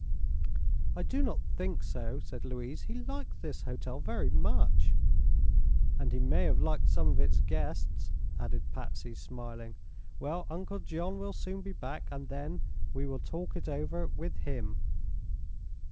"I do not think so," said Louise. "He liked this hotel very much." "And he may have liked some of its guests," added Patsy, smiling. "Well, Uncle John will soon be back, and then we will talk it over with him."